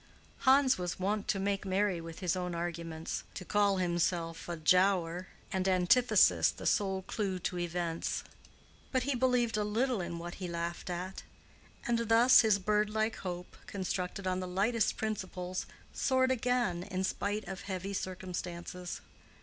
Hans was wont to make merry with his own arguments, to call himself a Giaour, and antithesis the sole clue to events; but he believed a little in what he laughed at. And thus his bird like hope, constructed on the lightest principles, soared again in spite of heavy circumstances.